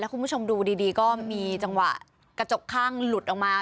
คุณผู้ชมดูดีก็มีจังหวะกระจกข้างหลุดออกมา